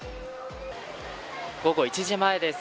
午後１時前です。